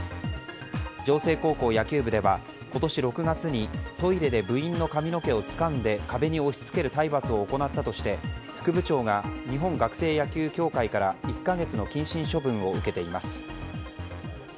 城西高校野球部では今年６月にトイレで部員の髪の毛をつかんで壁に押し付ける体罰を行ったとして、副部長が日本学生野球協会から１か月の謹慎処分を受けています。